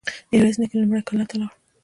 ميرويس نيکه لومړی کلات ته لاړ.